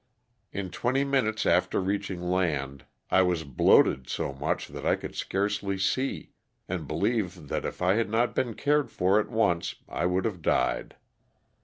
In twenty minutes after reaching land I was bloated so much that I could scarcely see, and believe that if I had not been ca.red for at once I would have died.